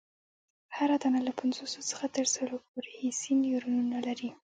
هره دانه له پنځوسو څخه تر سلو پوري حسي نیورونونه لري.